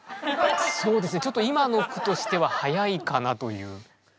ちょっと今の句としては早いかなという。